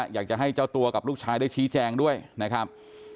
อยากจะให้เจ้าตัวกับลูกชายได้ชี้แจงด้วยนะครับ